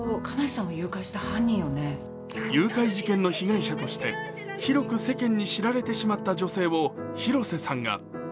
誘拐事件の被害者として広く世間に知られてしまった女性を広瀬さんが。